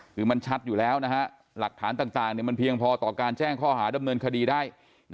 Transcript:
คือมันชัดอยู่แล้วหลักฐานต่างมันเพียงพอต่อการแจ้งข้อหาดำเนินคดีได้